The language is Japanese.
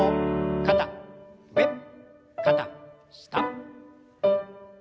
肩上肩下。